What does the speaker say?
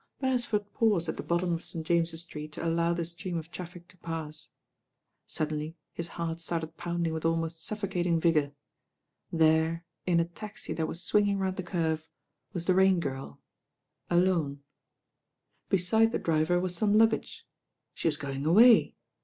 Beresford paused at the bottom of St. James's Street to allow the stream of traffic to pass. Sud denly his heart started pounding with almost suffo cating vigour. There in a taxi that was swinging round the curve was the Rain Girl — alone. Beside laa i THE PURSUIT TO FOLKESTONE ItS the driver was tome luggtge. She was going away.